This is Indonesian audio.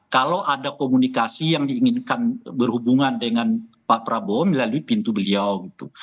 kalau ada komunikasi yang diinginkan berhubungan dengan pak prabowo melalui pintu beliau gitu